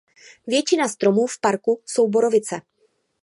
Většina stromů v parku jsou borovice.